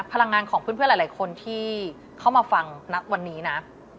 พลังงานของเพื่อนหลายคนที่เข้ามาฟังณวันนี้นะ